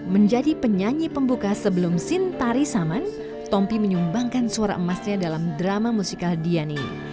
menjadi penyanyi pembuka sebelum sin tarisaman tompi menyumbangkan suara emasnya dalam drama musikal dia ini